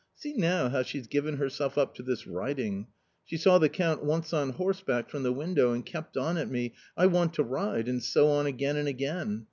— See now how she's given herself up to this r iding ! She saw the Count once on horseback from the ivtnaow and kept on at me, * I want to ride ' and so on again and again